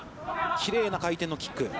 きれいな回転のキック。